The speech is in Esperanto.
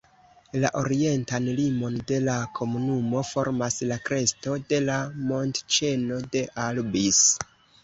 La orientan limon de la komunumo formas la kresto de la montĉeno de Albis.